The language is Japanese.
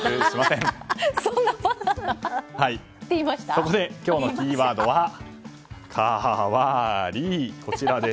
そこで今日のキーワードはカワリ。